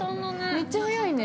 ◆めっちゃ早いね。